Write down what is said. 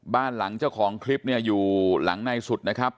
บ้านหลังเจ้าของคลิปเนี่ยอยู่หลังในสุดนะครับ